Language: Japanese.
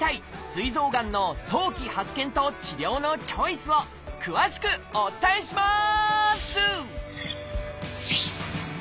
すい臓がんの早期発見と治療のチョイスを詳しくお伝えします！